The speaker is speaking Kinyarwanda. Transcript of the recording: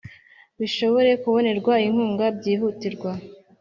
bishobore kubonerwa inkunga byihutirwa.